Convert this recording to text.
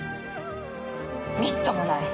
みっともない。